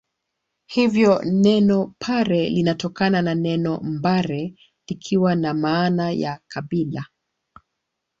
Hivyo neno Pare linatokana na neno mbare likiwa na maana ya kabila